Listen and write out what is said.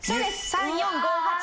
３４５８。